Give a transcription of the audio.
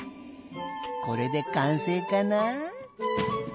これでかんせいかなあ？